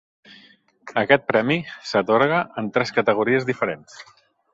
Aquest premi s'atorga en tres categories diferents.